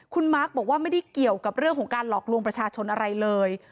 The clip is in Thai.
คุณมาร์คบอกว่าไม่ได้เกี่ยวกับเรื่องของการหลอกลวงประชาชนอะไรเลย